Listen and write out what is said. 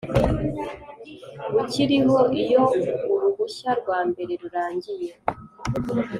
bukiriho Iyo uruhushya rwa mbere rurangiye